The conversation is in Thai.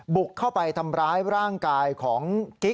บุกเข้าไปทำร้ายร่างกายของกิ๊ก